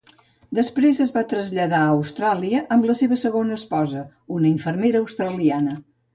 Després es va traslladar a Austràlia amb la seva segona esposa, una infermera australiana.